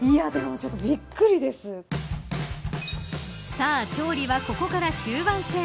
さあ調理はここから終盤戦。